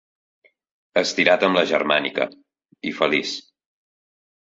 Estirat amb la germànica, i feliç.